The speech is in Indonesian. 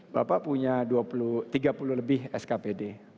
bapak punya tiga puluh lebih skpd